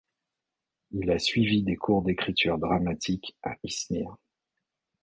Il a suivi des cours d’écriture dramatique à İzmir.